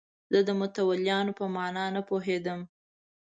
زه د متولیانو په معنی نه پوهېدم.